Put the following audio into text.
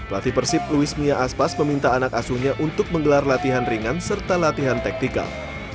pelatih persib luis mia aspas meminta anak asuhnya untuk menggelar latihan ringan serta latihan taktikal